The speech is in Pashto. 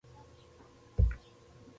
دا خبره په سورت نحل کي ذکر شوي ده، او د تفسير